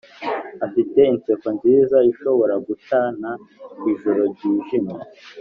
afite inseko nziza ishobora gucana ijoro ryijimye.